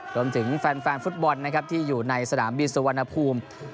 รวมถึงแฟนฟุตบอลนะครับที่อยู่ในสนามบินสุวรรณภูมิ